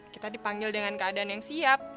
kita dipanggil dengan keadaan yang siap